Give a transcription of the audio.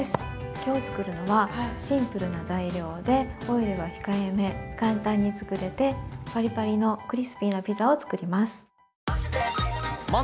今日作るのはシンプルな材料でオイルは控えめ簡単に作れてパリパリのクリスピーなピザを作ります。